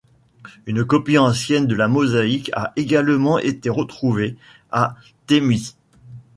Une copie ancienne de la mosaïque a également été retrouvée à Thmuis.